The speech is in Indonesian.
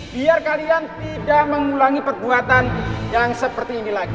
biar kalian tidak mengulangi perbuatan yang seperti ini lagi